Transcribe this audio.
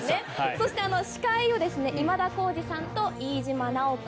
そして司会を今田耕司さんと飯島直子さん。